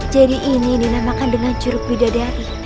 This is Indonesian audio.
jadi ini dinamakan dengan curug widadari